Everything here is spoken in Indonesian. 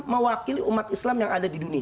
mewakili umat islam yang ada di dunia